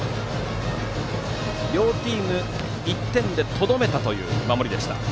両チームとも１点でとどめたという守りでした。